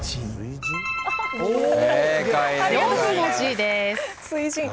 ４文字です。